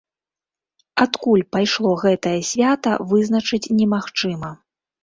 Адкуль пайшло гэтае свята, вызначыць немагчыма.